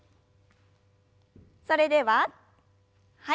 それでははい。